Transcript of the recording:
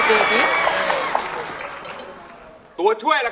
ไม่ใช่